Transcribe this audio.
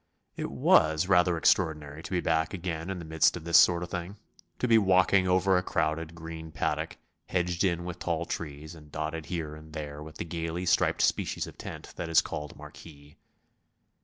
It was rather extraordinary to be back again in the midst of this sort of thing, to be walking over a crowded, green paddock, hedged in with tall trees and dotted here and there with the gaily striped species of tent that is called marquee.